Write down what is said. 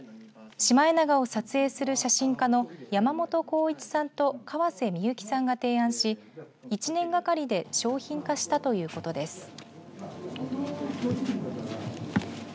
シマエナガを撮影する写真家の山本光一さんと河瀬幸さんが提案し１年がかりで商品化したということです。